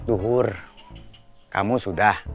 suhur kamu sudah